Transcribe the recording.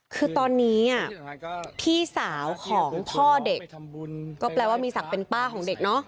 คือตอนนี้พี่สาวของพ่อเด็กก็แปลว่ามีศักดิ์เป็นป้าของเด็กเนอะ